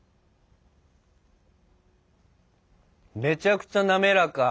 めちゃくちゃ滑らか。